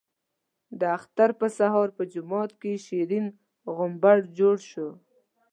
د اختر په سهار په جومات کې شین غومبر جوړ شو.